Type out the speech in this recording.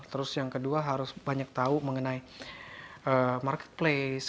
terus yang kedua harus banyak tahu mengenai marketplace